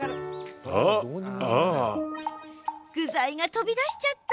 具材が飛び出しちゃった。